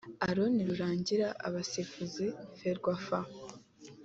Aaron Rurangira (Abasifuzi-Ferwafa)